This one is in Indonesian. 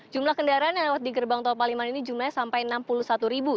jumlah kendaraan yang lewat di gerbang tol paliman ini jumlahnya sampai enam puluh satu ribu